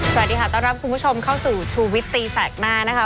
สวัสดีค่ะต้อนรับคุณผู้ชมเข้าสู่ชูวิตตีแสกหน้านะคะ